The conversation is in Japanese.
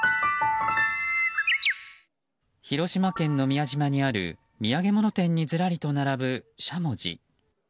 広島県の宮島にある土産物店にずらりと並ぶしゃもじ。